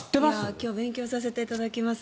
今日勉強させていただきます。